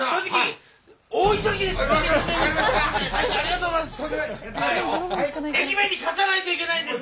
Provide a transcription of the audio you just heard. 大将ありがとうございます！